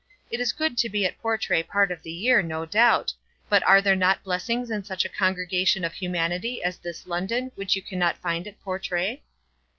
It is good to be at Portray part of the year, no doubt; but are there not blessings in such a congregation of humanity as this London which you cannot find at Portray?"